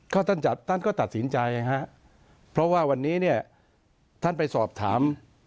ก็ท่านจัดท่านก็ตัดสินใจฮะเพราะว่าวันนี้เนี่ยท่านไปสอบถาม